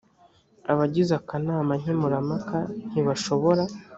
abagize akanama nkemurampaka ntibashobora